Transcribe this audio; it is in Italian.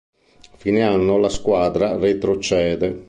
A fine anno la squadra retrocede.